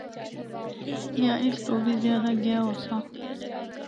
یا اس تو بھی زیادہ گیا ہوساں۔